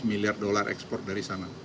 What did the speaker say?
lima miliar dolar ekspor dari sana